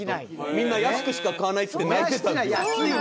みんな安くしか買わないっつって泣いてたんですよ。